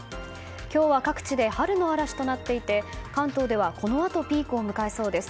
今日は各地で春の嵐となっていて関東ではこのあとピークを迎えそうです。